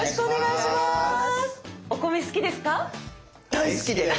大好きです！